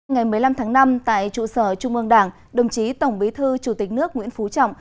ngày một mươi năm tháng năm tại trụ sở trung ương đảng đồng chí tổng bí thư chủ tịch nước nguyễn phú trọng